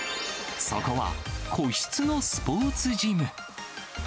そこは個室のスポーツジム。